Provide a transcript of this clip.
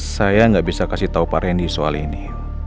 saya nggak bisa kasih tahu pak randy soal ini